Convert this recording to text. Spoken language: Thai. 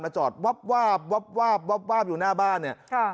มาจอดวาบอยู่หน้าบ้านเนี่ย